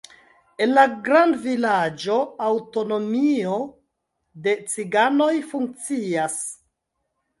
En la grandvilaĝo aŭtonomio de ciganoj funkcias.